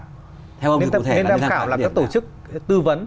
nên tham khảo là các tổ chức tư vấn